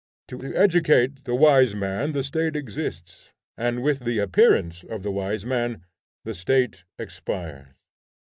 To educate the wise man the State exists, and with the appearance of the wise man the State expires.